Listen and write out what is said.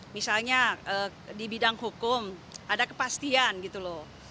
misalnya di bidang hukum ada kepastian gitu loh